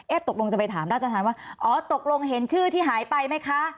ตกลงจะไปถามราชธรรมว่าอ๋อตกลงเห็นชื่อที่หายไปไหมคะ